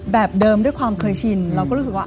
แบบเดิมด้วยความเคยชินเราก็รู้สึกว่า